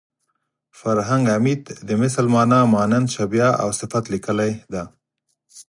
فرهنګ عمید د مثل مانا مانند شبیه او صفت لیکلې ده